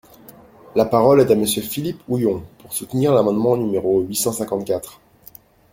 La parole est à Monsieur Philippe Houillon, pour soutenir l’amendement numéro huit cent cinquante-quatre.